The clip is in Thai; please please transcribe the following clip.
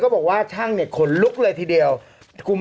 โอเคโอเคโอเคโอเคโอเคโอเคโอเคโอเค